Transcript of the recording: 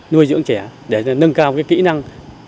nuôi dưỡng trẻ để nâng cao kỹ năng